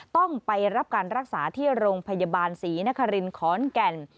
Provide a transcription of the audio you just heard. ต้องไปรับการรักษาที่โรงพยาบาลศรีนครินขอนแก่น